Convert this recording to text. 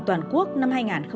toàn quốc năm hai nghìn hai mươi